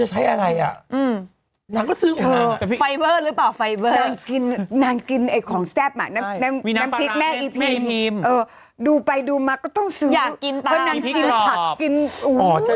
เธอจะใช้อะไรอ่ะนางก็ซื้อเดิมมันอยู่กันอย่างไรน่ะ